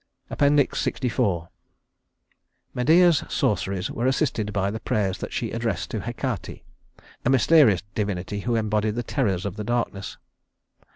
LXIV Medea's sorceries were assisted by the prayers that she addressed to Hecate, a mysterious divinity who embodied the terrors of the darkness.